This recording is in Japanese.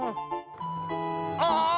ああ！